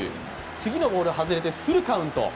次のボールは外れてフルカウント。